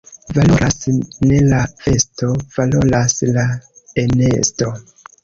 Valoras ne la vesto, valoras la enesto.